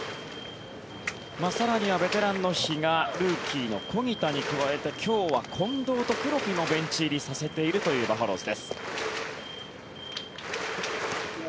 更にはベテランの比嘉ルーキーの小木田に加えて今日は近藤と黒木もベンチ入りさせているというバファローズです。